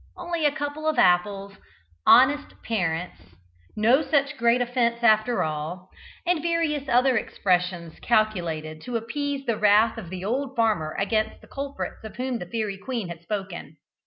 "only a couple of apples," "honest parents," "no such great offence after all," and various other expressions calculated to appease the wrath of the old farmer against the culprits of whom the fairy queen had spoken.